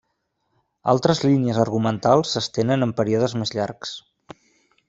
Altres línies argumentals s'estenen en períodes més llargs.